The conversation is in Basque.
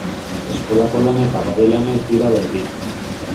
Eskolako lana eta abade lana ez dira berdin.